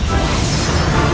jangan berlutut maore